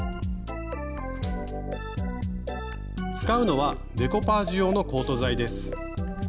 使うのはデコパージュ用のコート剤です。